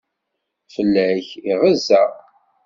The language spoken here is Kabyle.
Fell-ak iɣeza.